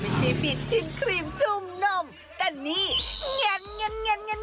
ไม่ใช่บิดชิมครีมจุ้มนมแต่นี้เง็น